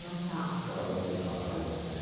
お互い持ち時間が並びましたね。